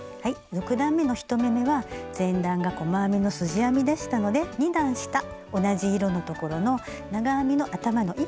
６段めの１目めは前段が細編みのすじ編みでしたので２段下同じ色のところの長編みの頭の１本。